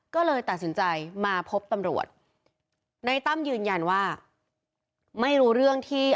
ก็เลยตัดสินใจมาพบตำรวจในตั้มยืนยันว่าไม่รู้เรื่องที่